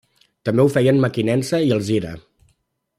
També ho feien Mequinensa i Alzira.